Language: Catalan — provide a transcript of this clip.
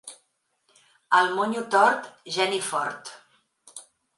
El monyo tort, geni fort.